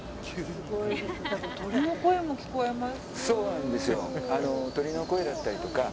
鳥の声も聞こえます。